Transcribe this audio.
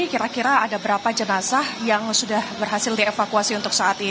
kira kira ada berapa jenazah yang sudah berhasil dievakuasi untuk saat ini